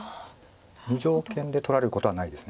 無条件で取られることはないです。